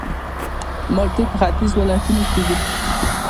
مالټې په ختیځو ولایتونو کې کیږي